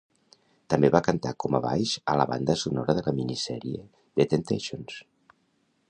També va cantar com a baix a la banda sonora de la minisèrie "The Temptations".